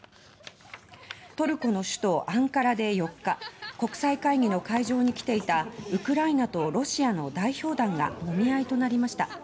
トルコの首都アンカラで４日国際会議の会場に来ていたウクライナとロシアの代表団がもみ合いとなりました。